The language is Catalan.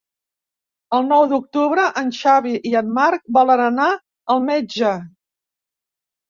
El nou d'octubre en Xavi i en Marc volen anar al metge.